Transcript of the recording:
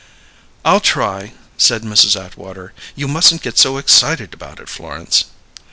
"I'll try," said Mrs. Atwater. "You mustn't get so excited about it, Florence."